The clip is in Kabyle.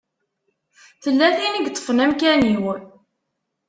Tella tin i yeṭṭfen amkan-iw.